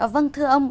vâng thưa ông